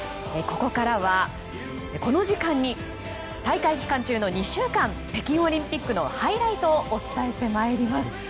ここからは、この時間に大会期間中の２週間北京オリンピックのハイライトをお伝えしてまいります。